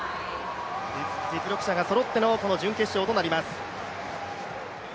実力者がそろっての、この準決勝となります。